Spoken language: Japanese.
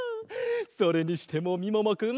それにしてもみももくん